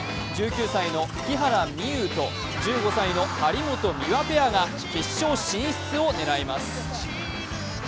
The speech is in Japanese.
１９歳の木原美悠と１５歳の張本美和ペアが決勝進出を狙います。